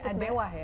cukup mewah ya